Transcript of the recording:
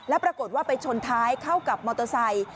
แล้วปรากฏว่าไปชนท้ายเข้ากับมอเตอร์ไซค์